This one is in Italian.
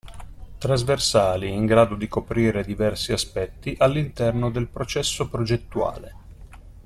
Trasversali in grado di coprire diversi aspetti all'interno del processo progettuale.